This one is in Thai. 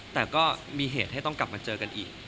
แต่ก็มีเหตุให้ต้องกลับมาเจอกันอีก